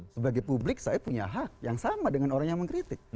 sebagai publik saya punya hak yang sama dengan orang yang mengkritik